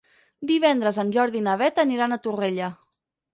Divendres en Jordi i na Beth aniran a Torrella.